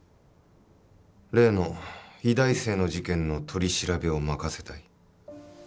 例の医大生の事件の取り調べを任せたい。